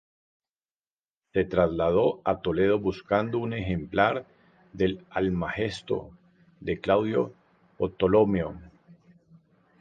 Se trasladó a Toledo buscando un ejemplar del "Almagesto" de Claudio Ptolomeo.